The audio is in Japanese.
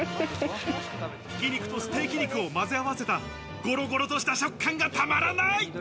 挽き肉とステーキ肉をまぜ合わせた、ゴロゴロとした食感がたまらない。